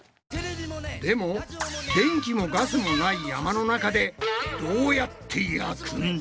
でも電気もガスもない山の中でどうやって焼くんだ？